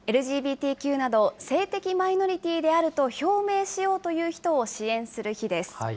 ＬＧＢＴＱなど、性的マイノリティーであると表明しようという人を支援する日です。